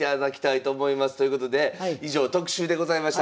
ということで以上特集でございました。